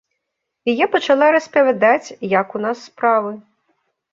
І я пачала распавядаць, як у нас справы.